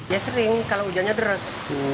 ya sering kalau hujannya deras